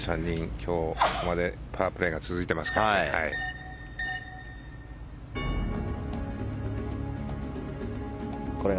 今日ここまでパープレーが続いていますからね。